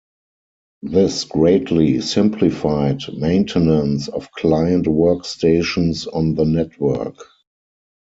This greatly simplified maintenance of client workstations on the network.